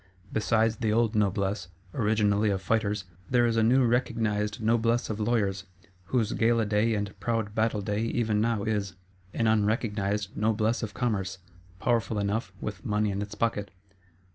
Besides the old Noblesse, originally of Fighters, there is a new recognised Noblesse of Lawyers; whose gala day and proud battle day even now is. An unrecognised Noblesse of Commerce; powerful enough, with money in its pocket.